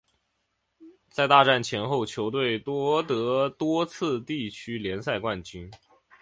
在大战前后球队夺得多次地区联赛冠军。